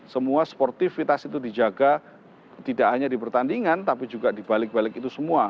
semua sportivitas itu dijaga tidak hanya di pertandingan tapi juga di balik balik itu semua